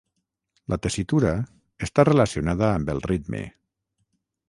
La tessitura està relacionada amb el ritme.